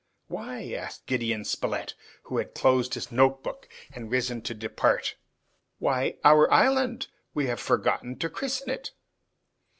"Why?" asked Gideon Spilett, who had closed his notebook and risen to depart. "Why! our island! we have forgotten to christen it!"